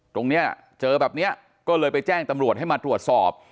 ตรงนี้เจอแบบนี้ก็เลยไปแจ้งตำรวจให้มาตรวจสอบ